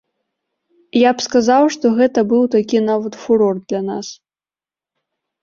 Я б сказаў, што гэта быў такі нават фурор для нас.